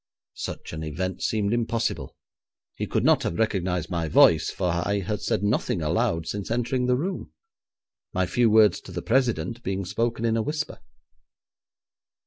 Such an event seemed impossible; he could not have recognised my voice, for I had said nothing aloud since entering the room, my few words to the president being spoken in a whisper.